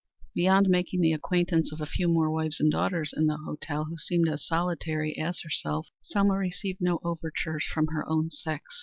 Beyond making the acquaintance of a few more wives and daughters in the hotel, who seemed as solitary as herself, Selma received no overtures from her own sex.